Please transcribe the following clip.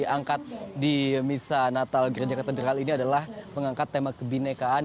diangkat di misa natal gereja katedral ini adalah mengangkat tema kebinekaan